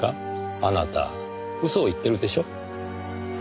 あなた嘘を言ってるでしょ？